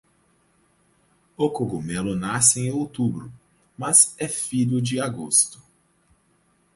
O cogumelo nasce em outubro, mas é filho de agosto.